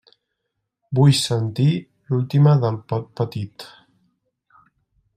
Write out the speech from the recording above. Vull sentir l'última del Pot Petit.